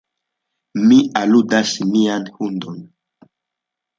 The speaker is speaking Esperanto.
Mi aludas mian hundon.